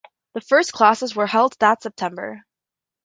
The first classes were held that September.